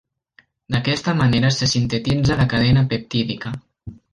D'aquesta manera se sintetitza la cadena peptídica.